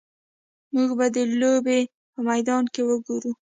موږ به د لوبې په میدان کې وګورو